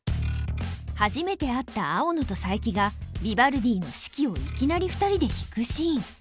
初めて会った青野と佐伯がビバルディの「四季」をいきなり２人で弾くシーン。